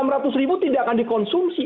rp enam ratus ribu tidak akan dikonsumsi